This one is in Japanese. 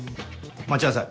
待ちなさい。